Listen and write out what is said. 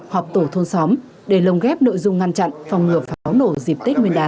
họp tổ thôn xóm để lồng ghép nội dung ngăn chặn phòng ngừa pháo nổ dịp tết nguyên đán